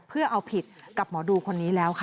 เพื่อเอาผิดกับหมอดูคนนี้แล้วค่ะ